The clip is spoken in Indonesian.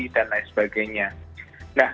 dan lain sebagainya nah